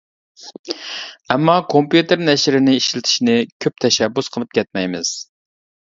ئەمما كومپيۇتېر نەشرىنى ئىشلىتىشنى كۆپ تەشەببۇس قىلىپ كەتمەيمىز.